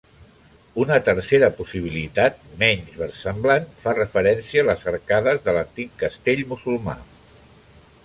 Una tercera possibilitat, menys versemblant, fa referència a les arcades de l'antic castell musulmà.